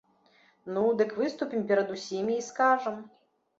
Ну, дык выступім перад усімі і скажам.